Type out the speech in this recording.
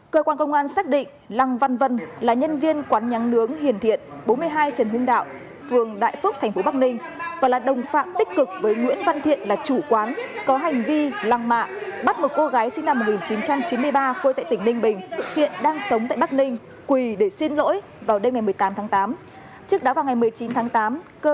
vào sáng nay công an thành phố bắc ninh đã khởi tố bị can bắt tạm giam hai tháng đối với lăng văn vân sinh năm một nghìn chín trăm chín mươi ba chú tại tỉnh vĩnh phúc là nhân viên quán nhắn nướng hiện thiện để điều tra hành vi làm nhục người khác